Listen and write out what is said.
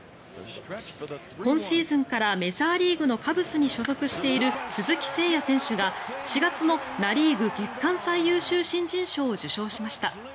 今シーズンからメジャーリーグのカブスに所属している鈴木誠也選手が４月のナ・リーグ月間最優秀新人賞を受賞しました。